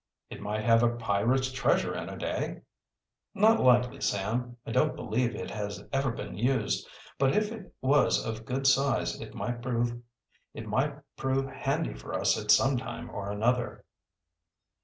"It might have a pirate's treasure in it, eh?" "Not likely, Sam. I don't believe it has ever been used. But if it was of good size it might prove handy for us at some time or another."